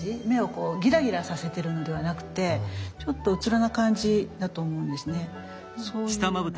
目をこうギラギラさせてるのではなくてちょっとうつろな感じだと思うんですね。